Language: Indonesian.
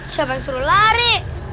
siapa yang suruh lari